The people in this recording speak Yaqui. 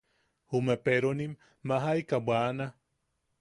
Jume peronim majaika bwana.